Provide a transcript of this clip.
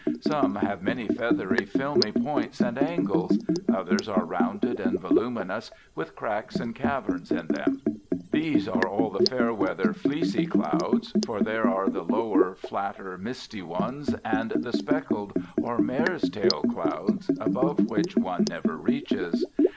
Some have many feathery, filmy points and angles, others are rounded and voluminous, with cracks and caverns in them. These are all the fair weather, fleecy clouds; for there are the lower, flatter, misty ones, and the speckled, or mare's tail clouds, above which one never reaches.